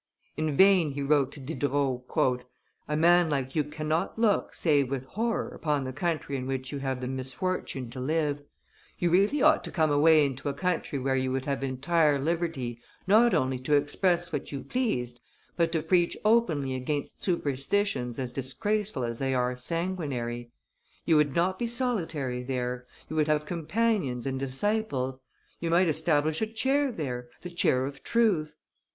In vain he wrote to Diderot, "A man like you cannot look save with horror upon the country in which you have the misfortune to live; you really ought to come away into a country where you would have entire liberty not only to express what you pleased, but to preach openly against superstitions as disgraceful as they are sanguinary. You would not be solitary there; you would have companions and disciples; you might establish a chair there, the chair of truth.